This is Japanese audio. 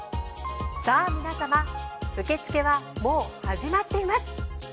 さあ皆様受付はもう始まっています。